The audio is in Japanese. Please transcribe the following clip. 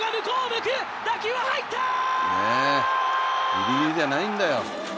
ギリギリじゃないんだよ。